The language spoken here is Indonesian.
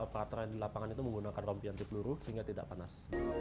pengaturan di lapangan itu menggunakan rompih yang dipeluru sehingga tidak panas